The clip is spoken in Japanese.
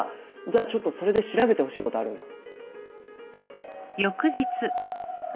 じゃあちょっとそれで調べてほしいことあるんだ。